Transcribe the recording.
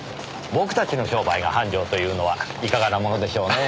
僕たちの商売が繁盛というのはいかがなものでしょうね？